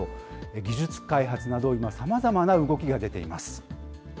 技術開発など、今さまざまな動きが出ています。